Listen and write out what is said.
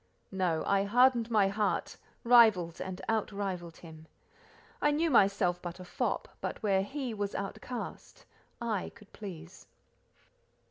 No, I hardened my heart, rivalled and out rivalled him. I knew myself but a fop, but where he was outcast I could please.